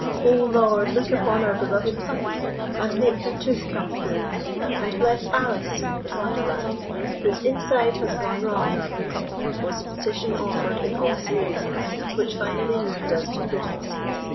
"O Lord, look upon our beloved Puppy, and make her tooth come through; and bless Alice (in Wonderland), whose inside has gone wrong," was the petition offered in all seriousness, which finally moved us to prudence.